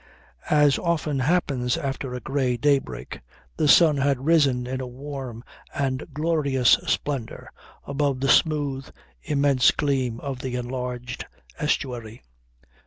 As often happens after a grey daybreak the sun had risen in a warm and glorious splendour above the smooth immense gleam of the enlarged estuary.